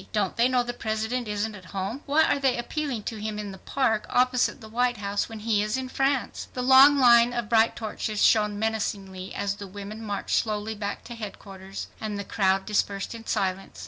Don't they know the President isn't at home? Why are they appealing to him in the park opposite the White House when he is in France?" The long line of bright torches shone menacingly as the women marched slowly back to headquarters, and the crowd dispersed in silence.